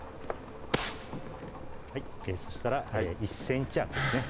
はいそしたら１ｃｍ厚ですね